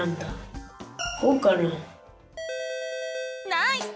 ナイス！